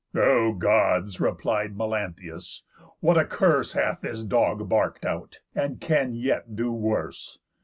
"O Gods!" replied Melanthius, "what a curse Hath this dog bark'd out, and can yet do worse!